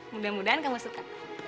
mudah mudahan kamu suka